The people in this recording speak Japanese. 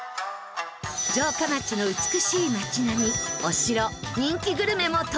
城下町の美しい街並みお城人気グルメも登場。